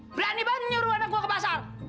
berani banget nyuruh anak buah ke pasar